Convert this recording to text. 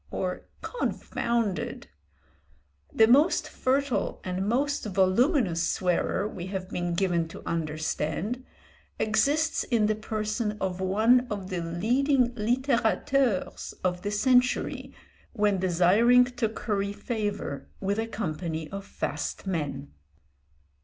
or "confounded!" The most fertile and most voluminous swearer, we have been given to understand, exists in the person of one of the leading littérateurs of the century when desiring to curry favour with a company of fast men.